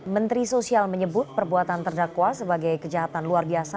menteri sosial menyebut perbuatan terdakwa sebagai kejahatan luar biasa